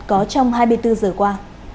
có trong hai mươi bốn giờ qua